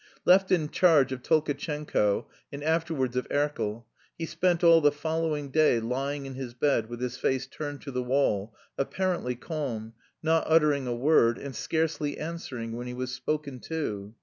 Left in charge of Tolkatchenko, and afterwards of Erkel, he spent all the following day lying in his bed with his face turned to the wall, apparently calm, not uttering a word, and scarcely answering when he was spoken to.